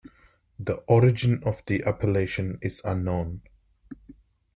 The origin of the appellation is unknown.